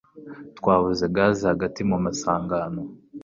Twabuze gaze hagati mu masangano